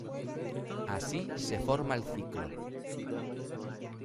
Así se forma el ciclo.